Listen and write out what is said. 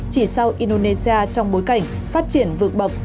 chỉ sau indonesia trong bối cảnh phát triển vượt bậc